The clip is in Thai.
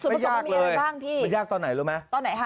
มันจะมีอะไรบ้างพี่มันยากตอนไหนรู้ไหมตอนไหนคะ